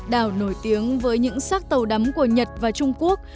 đảo nổi tiếng với những xác tàu đắm của nhật và trung quốc